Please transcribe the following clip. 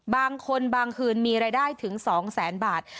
บางคนบางคืนมีรายได้ถึง๒แสนบาท